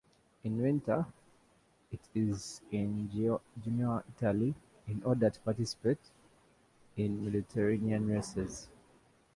In winter, it is in Genoa, Italy, in order to participate in Mediterranean races.